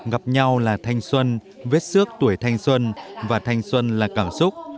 gặp nhau là thanh xuân viết xước tuổi thanh xuân và thanh xuân là cảm xúc